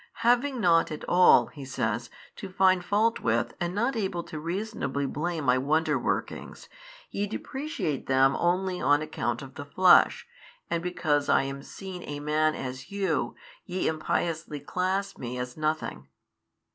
Having nought at all (He says) to find fault with and not able to reasonably blame My Wonder workings, ye depreciate them only on account of the flesh, and because I am seen a Man as you, ye impiously class Me as nothing.